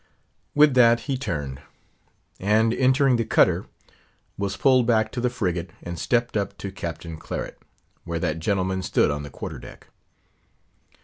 With that he turned; and entering the cutter, was pulled back to the frigate, and stepped up to Captain Claret, where that gentleman stood on the quarter deck.